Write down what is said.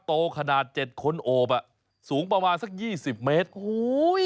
โตขนาดเจ็ดคนโอบอ่ะสูงประมาณสักยี่สิบเมตรโอ้โห